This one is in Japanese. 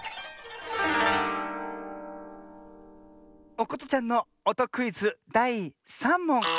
おことちゃんのおとクイズだい３もん。